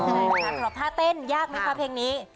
สำหรับท่าเต้นยากไหมคะเพลงนี้